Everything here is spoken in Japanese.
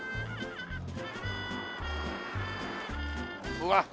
うわっ！